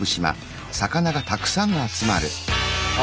あ！